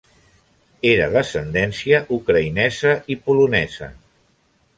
Era d’ascendència ucraïnesa i polonesa.